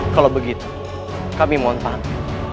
kalau begitu kami mohon panah